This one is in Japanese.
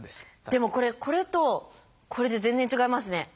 でもこれこれとこれで全然違いますね。